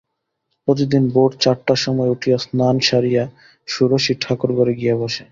প্রতিদিন ভোর চারটের সময় উঠিয়া স্নান সারিয়া ষোড়শী ঠাকুরঘরে গিয়া বসে।